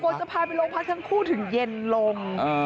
จะพาไปโรงพักทั้งคู่ถึงเย็นลง